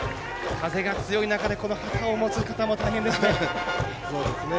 風が強い中で、旗を持つ人も大変ですね。